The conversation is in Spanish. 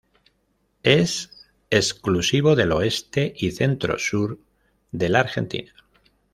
Es exclusivo del oeste y centro-sur de la Argentina.